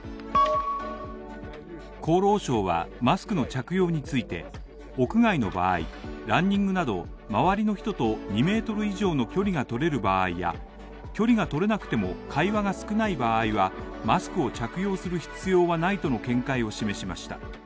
厚労省はマスクの着用について、屋外の場合、ランニングなど周りの人と２ｍ以上の距離が取れる場合や、距離が取れなくても会話が少ない場合はマスクを着用する必要はないとの見解を示しました。